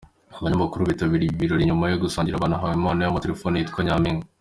Abanyamakuru bitabiriye ibi birori nyuma yo gusangira banahawe impano y'amatelefone yitwa Nyampinga.